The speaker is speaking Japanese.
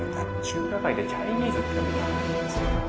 中華街でチャイニーズっていうのもいいな。